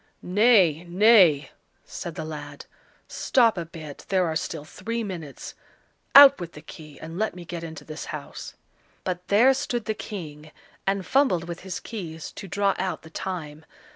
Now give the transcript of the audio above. "Nay, nay!" said the lad; "stop a bit, there are still three minutes! Out with the key, and let me get into this house." But there stood the King and fumbled with his keys, to draw out the time.